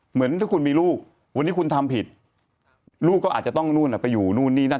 เหมือนถ้าคุณมีลูกวันนี้คุณทำผิดลูกก็อาจจะต้องนู่นไปอยู่นู่นนี่นั่น